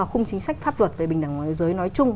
khung chính sách pháp luật về bình đẳng giới nói chung